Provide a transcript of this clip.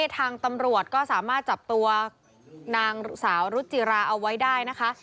ทางตำรวจก็สามารถจับตัวนางสาวรุจิราเอาไว้ได้นะคะ